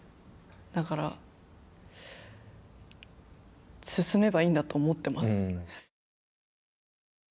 だから進めばいいんだと思ってます。